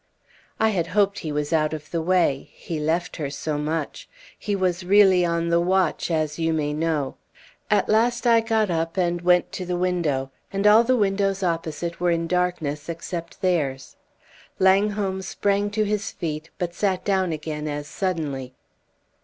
I had hoped he was out of the way; he left her so much. He was really on the watch, as you may know. At last I got up and went to the window. And all the windows opposite were in darkness except theirs." Langholm sprang to his feet, but sat down again as suddenly.